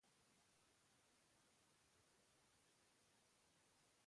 Sarrerak agortuta daude aspaldi.